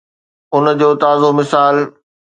ان جو تازو مثال